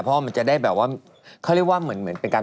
เพราะว่ามันจะได้แบบว่าเขาเรียกว่าเหมือนเป็นการ